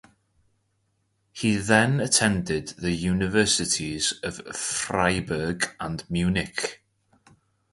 He then attended the Universities of Freiburg and Munich.